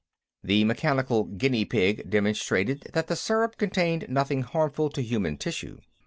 The mechanical guinea pig demonstrated that the syrup contained nothing harmful to human tissue.